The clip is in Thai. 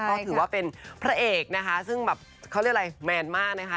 ก็ถือว่าเป็นพระเอกนะคะซึ่งแบบเขาเรียกอะไรแมนมากนะคะ